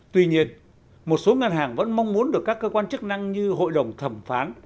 tuy nhiên một số ngân hàng vẫn mong muốn được các cơ quan chức năng như hội đồng thẩm phán